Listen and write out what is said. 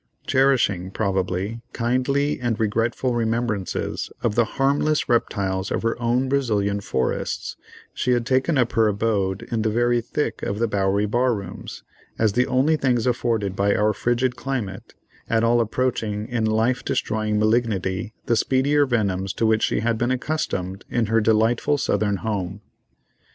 Cherishing, probably, kindly and regretful remembrances of the harmless reptiles of her own Brazilian forests, she had taken up her abode in the very thick of the Bowery bar rooms, as the only things afforded by our frigid climate, at all approaching in life destroying malignity the speedier venoms to which she had been accustomed in her delightful southern home.